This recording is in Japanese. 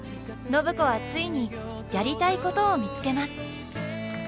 暢子はついにやりたいことを見つけます。